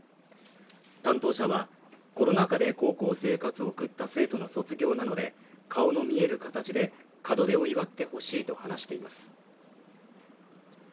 担当者はコロナ禍で高校生活を送った生徒の卒業なので、顔の見える形で門出を祝ってほしいと話しています。